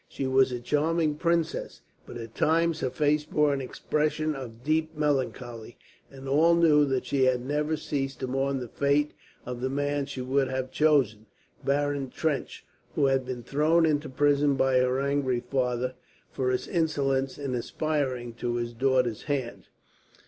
She was a charming princess, but at times her face bore an expression of deep melancholy; and all knew that she had never ceased to mourn the fate of the man she would have chosen, Baron Trench, who had been thrown into prison by her angry father, for his insolence in aspiring to his daughter's hand.